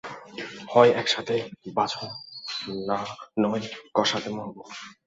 হয় একসাথে বাঁচবো নয় কসাথে মরবো।